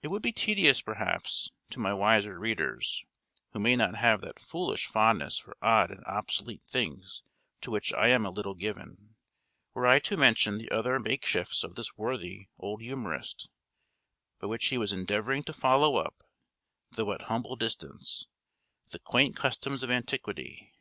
[J] It would be tedious, perhaps, to my wiser readers, who may not have that foolish fondness for odd and obsolete things to which I am a little given, were I to mention the other makeshifts of this worthy old humorist, by which he was endeavouring to follow up, though at humble distance, the quaint customs of antiquity.